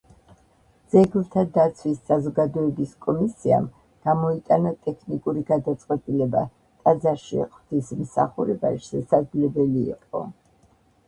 ძეგლთა დაცვის საზოგადოების კომისიამ გამოიტანა ტექნიკური გადაწყვეტილება: ტაძარში ღვთისმსახურება შესაძლებელი იყო.